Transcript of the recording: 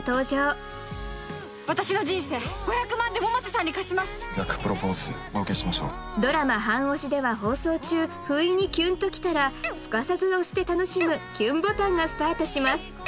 私の人生５００万で百瀬さんに貸します逆プロポーズお受けしましょうドラマ「ハンオシ」では放送中不意にキュンときたらすかさず押して楽しむキュンボタンがスタートします